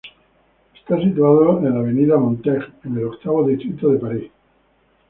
Está situado en la Avenue Montaigne, en el octavo distrito de París.